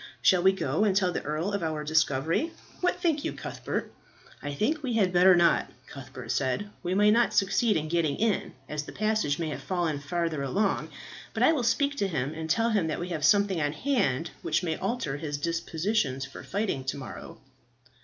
Shall we go and tell the earl of our discovery? What think you, Cuthbert?" "I think we had better not," Cuthbert said. "We might not succeed in getting in, as the passage may have fallen farther along; but I will speak to him and tell him that we have something on hand which may alter his dispositions for fighting to morrow."